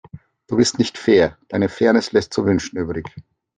Du bist nicht fair, deine Fairness lässt zu wünschen übrig.